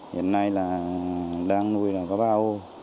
hiện nay là đang nuôi là có ba hộ